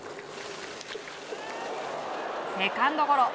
セカンドゴロ。